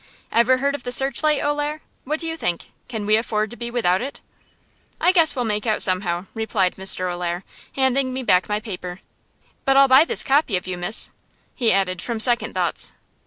"Ever heard of the 'Searchlight,' O'Lair? What do you think can we afford to be without it?" "I guess we'll make out somehow," replied Mr. O'Lair, handing me back my paper. "But I'll buy this copy of you, Miss," he added, from second thoughts.